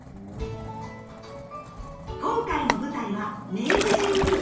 今回の舞台は明治神宮。